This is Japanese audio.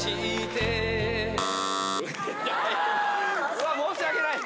うわっ申し訳ない。